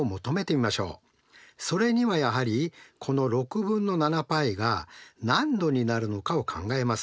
それにはやはりこの６分の７πが何度になるのかを考えます。